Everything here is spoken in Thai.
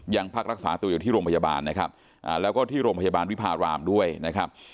ยังพักรักษาตัวอยู่ที่โรงพยาบาลนะครับแล้วก็ที่โรงพยาบาลวิพารามด้วยนะครับ